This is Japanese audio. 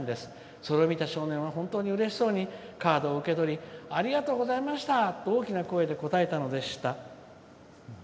それを見た少年は本当にうれしそうにカードを受け取りありがとうございましたと大きな声で答えたのでした」。